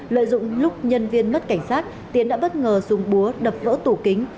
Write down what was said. lợi dụng lúc nhân viên mất cảnh sát tiến đã bất ngờ dùng búa đập vỡ tủ kính